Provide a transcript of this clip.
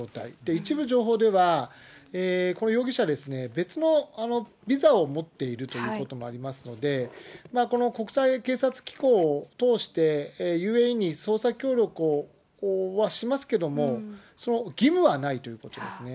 一部情報では、この容疑者、別のビザを持っているということもありますので、この国際警察機構を通して、ＵＡＥに捜査協力をしますけども、その義務はないということですね。